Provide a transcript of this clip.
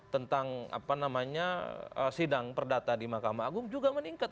tentang sidang perdata di mahkamah agung juga meningkat